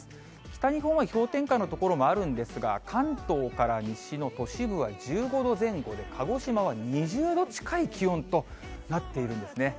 北日本は氷点下の所もあるんですが、関東から西の都市部は１５度前後で、鹿児島は２０度近い気温となっているんですね。